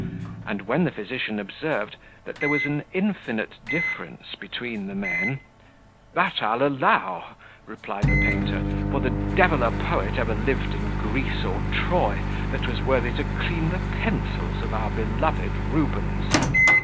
and when the physician observed, that there was an infinite difference between the men, "That I'll allow," replied the painter, "for the devil a poet ever lived in Greece or Troy, that was worthy to clean the pencils of our beloved Rubens."